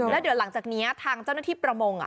แล้วเดี๋ยวหลังจากนี้ทางเจ้าหน้าที่ประมง